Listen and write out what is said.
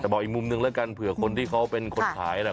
จะบอกอีกมุมนึงแล้วกันเผื่อคนที่เขาเป็นคนขายเนี่ย